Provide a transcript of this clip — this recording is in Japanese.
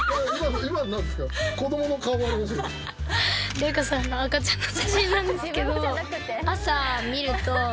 麗華さんの赤ちゃんの写真なんですけど。